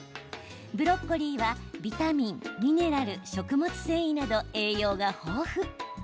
ブロッコリーはビタミン、ミネラル食物繊維など、栄養が豊富。